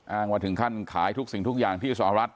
อ้างว่าถึงขั้นขายทุกสิ่งทุกอย่างที่สหรัฐ